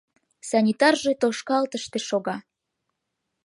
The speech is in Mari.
Санитарже тошкалтыште шога.